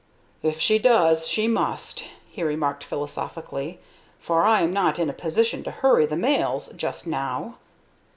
"If she does, she must," he remarked, philosophically, "for I am not in a position to hurry the mails just now.